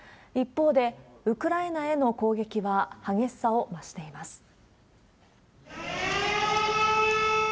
一方で、ウクライナへの攻撃は激しさを増しています。